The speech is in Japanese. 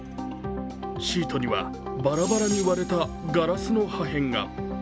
シートにはバラバラに割れたガラスの破片が。